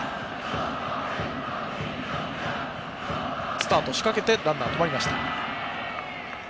スタートしかけてランナーは止まりました。